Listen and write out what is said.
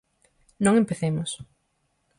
Non empecemos.